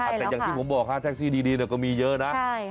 แต่อย่างที่ผมบอกฮะแท็กซี่ดีก็มีเยอะนะ